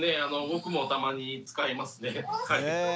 僕もたまに使いますね。